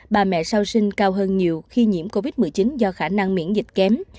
bà mẹ sau sinh cao hơn nhiều khi nhiễm covid một mươi chín do khả năng miễn dịch kém